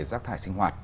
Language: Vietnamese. giác thải sinh hoạt